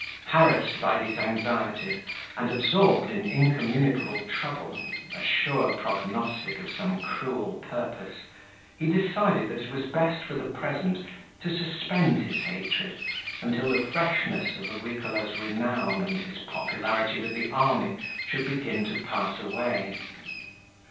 Harassed by these anxieties, and absorbed in an incommunicable trouble, a sure prognostic of some cruel purpose, he decided that it was best for the present to suspend his hatred until the freshness of Agricola's renown and his popularity with the army should begin to pass away.